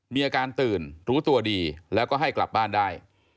มีอาการตื่นรู้ตัวดีแล้วก็ให้กลับบ้านได้